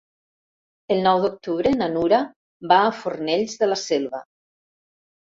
El nou d'octubre na Nura va a Fornells de la Selva.